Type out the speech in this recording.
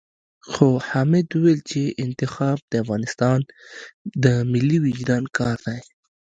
خو حامد ويل چې انتخاب د افغانستان د ملي وُجدان کار دی.